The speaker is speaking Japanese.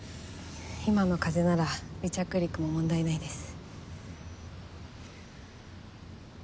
今の風なら離着陸も問題ないです。